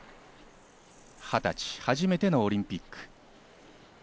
２０歳、初めてのオリンピック。